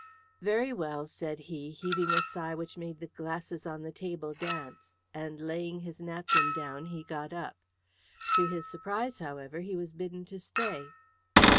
"Very well," said he, heaving a sigh which made the glasses on the table dance, and laying his napkin down he got up. To his surprise, however, he was bidden to stay.